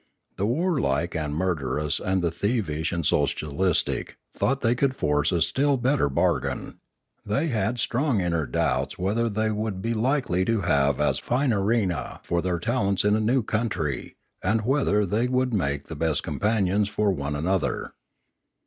The warlike and murderous and the thievish and socialistic thought they could force a still better bargain ; they had strong inner doubts whether they would be likely to have as 556 Limanora fine an arena for their talents in a new country, and whether they would make the best companions for one another.